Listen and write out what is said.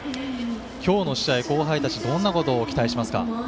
今日の試合は後輩たちにどんなことを期待しますか。